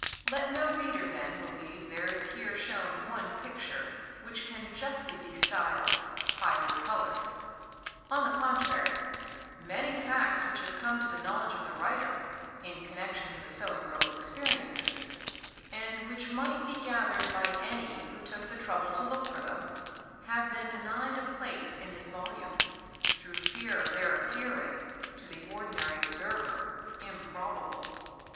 Let no reader, then, believe there is here shown one picture which can justly be styled "highly col ored ;" on the contrary, many facts which have come to the knowledge of the writer, in connection with a sewing girl's experiences, — and which might* be gath ered by any who took the trouble to look for them, —have been denied a place in this volume, through fear of their appearing, to the ordinary observer, improbable.